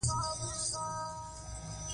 خو د بارنس لېوالتیا عادي او معمولي نه وه.